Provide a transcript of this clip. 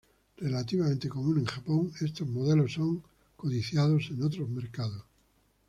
Relativamente común en Japón, estos modelos son codiciados en otros mercados.